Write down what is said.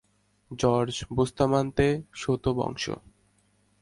George Bustamante, Soto বংশ।